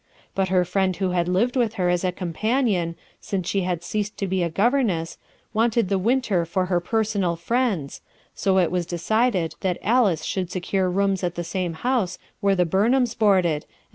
But her friend who had lived with her as a companion, since she had ceased to be a governess, wanted the winter for her personal friends, so it was decided that Alice should secure rooms at the same house where the Burohams boarded and.